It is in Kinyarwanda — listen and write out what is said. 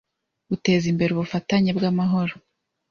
uteza imbere ubufatanye bw’amahoro